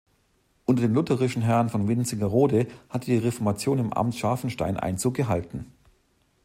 Unter den lutherischen Herren von Wintzingerode hatte die Reformation im Amt Scharfenstein Einzug gehalten.